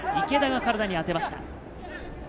池田が体に当てました。